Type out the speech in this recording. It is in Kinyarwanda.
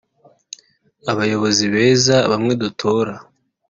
abayobozi beza bamwe dutora